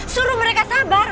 suruh mereka sabar